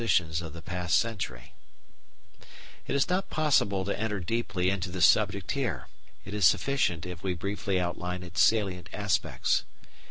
] It is not possible to enter deeply into this subject here. It is sufficient if we briefly outline its salient aspects.